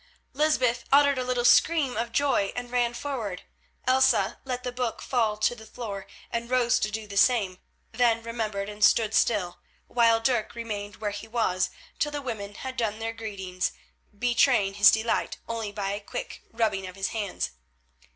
Lysbeth uttered a little scream of joy and ran forward. Elsa let the book fall on to the floor and rose to do the same, then remembered and stood still, while Dirk remained where he was till the women had done their greetings, betraying his delight only by a quick rubbing of his hands.